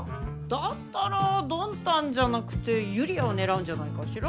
だったらドンタンじゃなくてユリアを狙うんじゃないかしら？